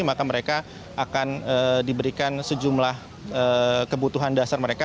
maka mereka akan diberikan sejumlah kebutuhan dasar mereka